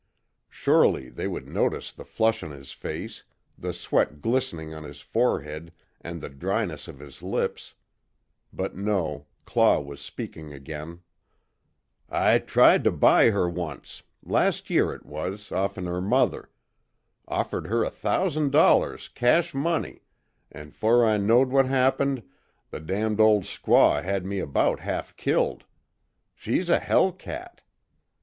Surely, they would notice the flush on his face, the sweat glistening on his forehead and the dryness of his lips but, no Claw was speaking again: "I tried to buy her once last year it was, offen her mother offered her a thousan' dollars, cash money an' 'fore I know'd what happened, the damned old squaw had me about half killed. She's a hell cat.